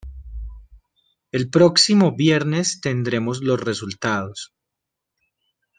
El próximo viernes tendremos los resultados.